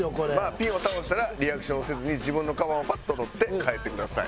ピンを倒したらリアクションをせずに自分のかばんをパッと取って帰ってください。